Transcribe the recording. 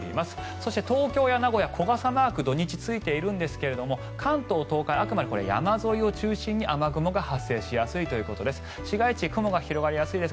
そして、東京や名古屋は小傘マークが土日、ついているんですが関東・東海はあくまで山沿いを中心に雨雲が発生しやすいということです。